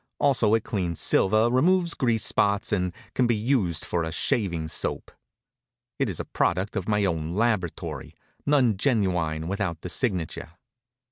Also it cleans silver, removes grease spots, and can be used for a shaving soap. It is a product of my own lab'ratory, none genuine without the signature."